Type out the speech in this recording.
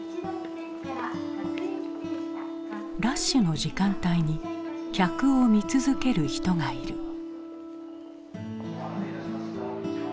ラッシュの時間帯に客を見続ける人がいる。